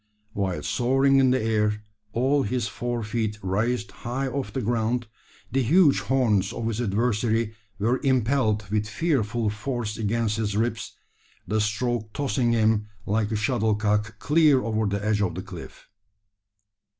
While soaring in the air all his four feet raised high off the ground the huge horns of his adversary were impelled with fearful force against his ribs, the stroke tossing him like a shuttlecock clear over the edge of the cliff!